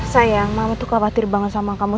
sayang mama tuh khawatir banget sama kamu